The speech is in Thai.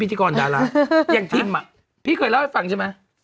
พิธีกรดาราอย่างทิมอ่ะพี่เคยเล่าให้ฟังใช่ไหม